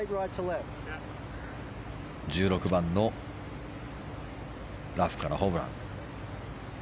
１６番のラフからホブラン。